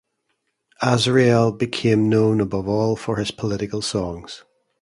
Asriel became known above all for his political songs.